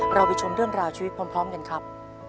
เราไปชมเรื่องราวชีวิตพร้อมกันครับ